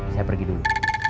saya pergi dulu